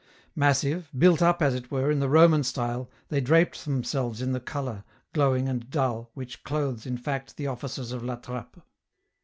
Massive, built up, as it were, in the Roman style, they draped themselves in the colour, glowing and dull, which clothes, in fact, the offices of La Trappe.